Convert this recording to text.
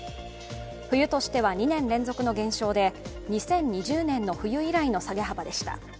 冬としては２年連続の減少で２０２０年の冬以来の下げ幅でした。